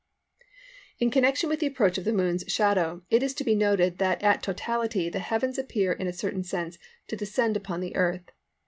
In connection with the approach of the Moon's shadow, it is to be noted that at totality the heavens appear in a certain sense to descend upon the Earth.